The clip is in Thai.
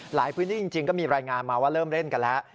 หลายพื้นที่จริงก็มีรายงานมาว่าเริ่มเล่นกันแล้ว